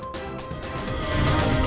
kami akan mencoba untuk mencoba